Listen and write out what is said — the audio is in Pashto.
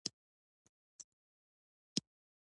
سبا کار ته راځم